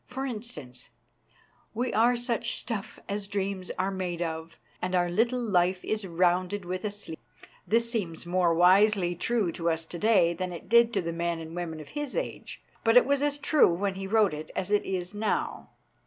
For instance "We are such stuff as dreams are made of, And our little life is rounded with a sleep." This seems more wisely true to us to day than it did to the men and women of his ON COMMON SENSE 245 age, but it was as true when he wrote it as it is now.